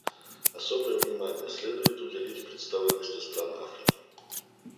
Особое внимание следует уделить представленности стран Африки.